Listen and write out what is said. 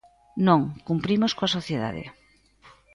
Non, cumprimos coa sociedade.